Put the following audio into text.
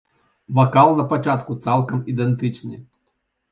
Вакал на пачатку цалкам ідэнтычны.